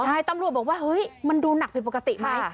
ใช่ตำรวจบอกว่าเฮ้ยมันดูหนักผิดปกติไหม